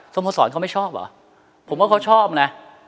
โมสรเขาไม่ชอบเหรอผมว่าเขาชอบนะ